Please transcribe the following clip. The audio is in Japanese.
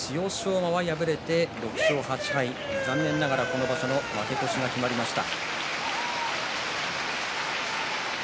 馬は敗れて６勝８敗残念ながら今場所の負け越しが決まりました。